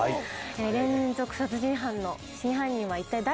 連続殺人犯の真犯人は一体誰なのか？